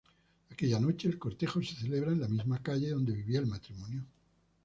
Aquella noche el cortejo se celebraba en la misma calle donde vivía el matrimonio.